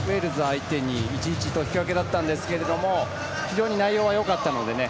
相手に１−１と引き分けだったんですが非常に内容はよかったのでね